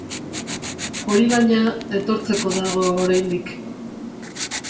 Hori, baina, etortzeko dago oraindik.